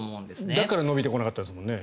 だから伸びてこなかったんですもんね。